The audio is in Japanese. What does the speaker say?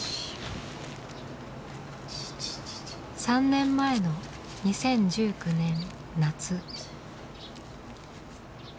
３年前の２０１９年夏。